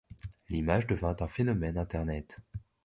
L'image devint un phénomène internet.